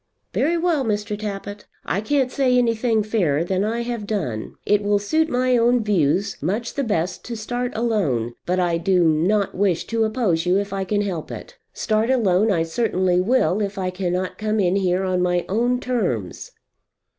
"Very well, Mr. Tappitt. I can't say anything fairer than I have done. It will suit my own views much the best to start alone, but I do not wish to oppose you if I can help it. Start alone I certainly will, if I cannot come in here on my own terms."